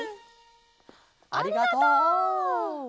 ありがとう！